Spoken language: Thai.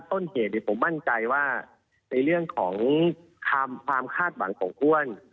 ต้นเหตุที่ผมมั่นใจว่าในเรื่องของคำคาดฝั่งของควร